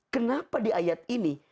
kenapa di ayat ini